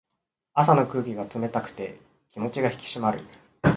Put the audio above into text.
朝の空気が冷たくて気持ちが引き締まる。